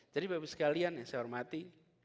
jadi bapak ibu sekalian yang saya hormati